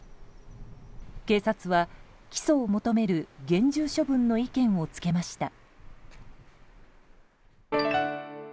警察は起訴を求める厳重処分の意見をつけました。